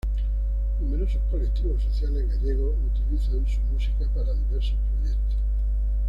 Numerosos colectivos sociales gallegos utilizan su música para diversos proyectos.